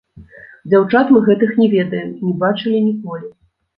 Дзяўчат мы гэтых не ведаем, не бачылі ніколі.